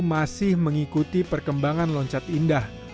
masih mengikuti perkembangan loncat indah